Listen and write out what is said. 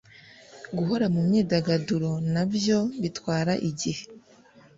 guhora mu myidagaduro na byo bitwara igihe